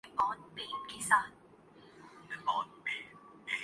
دوسرا یہ کہ ان کی فیس بھی بڑھ گئی۔